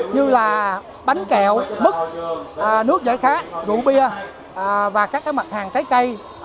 như là bánh kẹo mức nước giải khá rượu bia và các mặt hàng trái cây